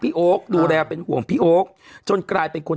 พี่โอ๊คบอกว่าเขินถ้าต้องเป็นเจ้าภาพเนี่ยไม่ไปร่วมงานคนอื่นอะได้